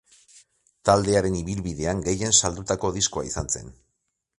Taldearen ibilbidean gehien saldutako diskoa izan zen.